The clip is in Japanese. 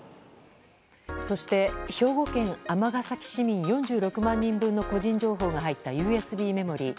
そして、兵庫県尼崎市民４６万人分の個人情報が入ったＵＳＢメモリー。